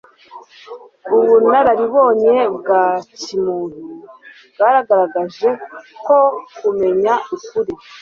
Ubunararibonye bwa kimuntu bwagaragaje ko kumenya ukuri